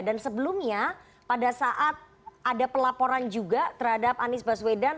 dan sebelumnya pada saat ada pelaporan juga terhadap anies baswedan